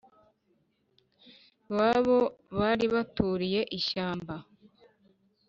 iwabo bari baturiye ishyamba